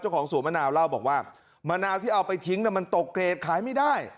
ของสวนมะนาวเล่าบอกว่ามะนาวที่เอาไปทิ้งมันตกเกรดขายไม่ได้